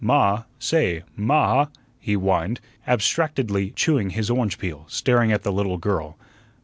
"Ma, say, ma ah," he whined, abstractedly chewing his orange peel, staring at the little girl.